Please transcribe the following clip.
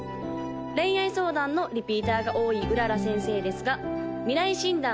恋愛相談のリピーターが多い麗先生ですが未来診断